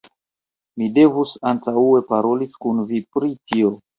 Mi devus antaŭe paroli kun vi pri tio.